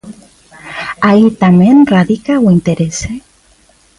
Aí tamén radica o interese.